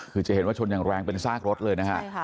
คือจะเห็นว่าชนอย่างแรงเป็นซากรถเลยนะฮะ